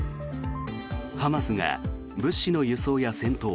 ハマスが物資の輸送や戦闘